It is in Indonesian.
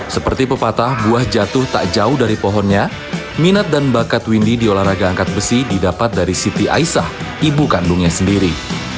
seperti pepatah buah jatuh tak jauh dari pohonnya minat dan bakat windy di olahraga angkat besi didapat dari siti aisah ibu kandungnya sendiri